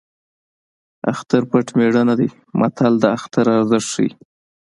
اختر پټ مېړه نه دی متل د اختر ارزښت ښيي